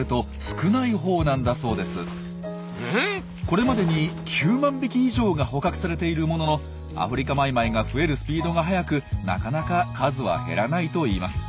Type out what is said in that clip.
これまでに９万匹以上が捕獲されているもののアフリカマイマイが増えるスピードが速くなかなか数は減らないといいます。